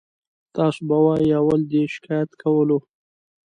تاسې به وایئ اول دې شکایت کولو.